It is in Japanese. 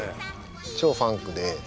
超ファンクで。